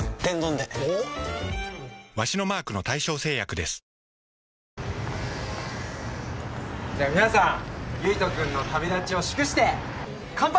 では皆さん唯斗くんの旅立ちを祝して乾杯！